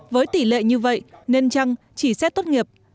với tỷ lệ như vậy nên chăng chỉ xét tốt nghiệp